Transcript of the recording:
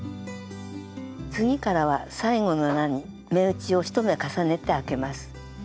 次からは最後の穴に目打ちを１目重ねてあけます。